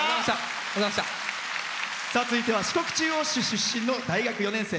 続いては四国中央市出身の大学４年生。